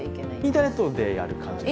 インターネットでやる感じです。